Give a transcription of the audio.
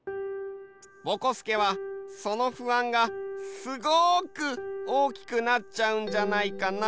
ぼこすけはその不安がすごくおおきくなっちゃうんじゃないかな？